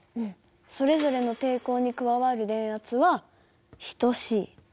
それぞれの抵抗に加わる電圧は等しい。